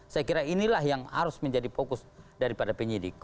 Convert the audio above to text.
saya kira inilah yang harus menjadi fokus daripada penyidik